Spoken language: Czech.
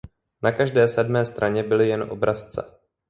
Na každé sedmé straně byly jen obrazce.